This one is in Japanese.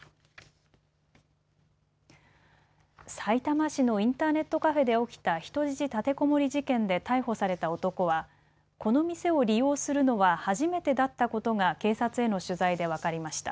さいたま市のインターネットカフェで起きた人質立てこもり事件で逮捕された男はこの店を利用するのは初めてだったことが警察への取材で分かりました。